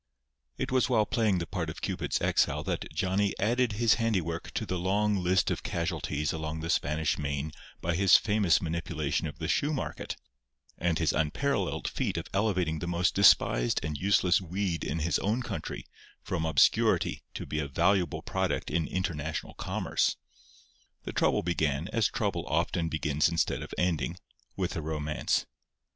It was while playing the part of Cupid's exile that Johnny added his handiwork to the long list of casualties along the Spanish Main by his famous manipulation of the shoe market, and his unparalleled feat of elevating the most despised and useless weed in his own country from obscurity to be a valuable product in international commerce. The trouble began, as trouble often begins instead of ending, with a romance.